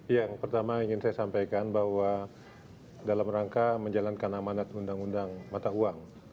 yang pertama ingin saya sampaikan bahwa dalam rangka menjalankan amanat undang undang mata uang